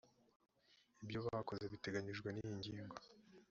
ibyo bakoze biteganijwe n iyi ngingo